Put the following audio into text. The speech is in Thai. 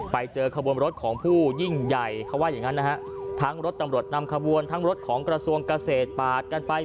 ไปเจอขบวนรถของผู้ยิ่งใหญ่เขาว่าอย่างงั้นนะฮะทั้งรถตำรวจนำขบวนทั้งรถของกระทรวงเกษตรปาดกันไป